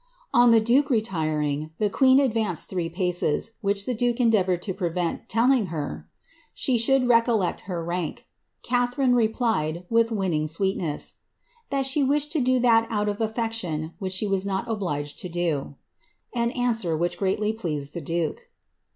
On the duke retiring, the queen ad\'anced three paces, which the duke endeavoured to prevent, telling her, ^^ she should recollect her rank.'* Catharine replied, with winning sweetness, ^ that she wished to do tint out of affection which she was not obliged to do;" an answer wUdi greatly pleased the duke.'